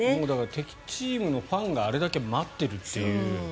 敵チームのファンがあれだけ待っているという。